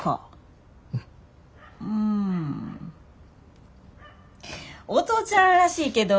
うんお父ちゃんらしいけど。